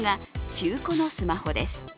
中古のスマホです。